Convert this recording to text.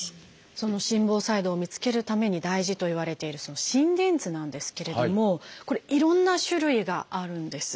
その心房細動を見つけるために大事といわれているその心電図なんですけれどもこれいろんな種類があるんです。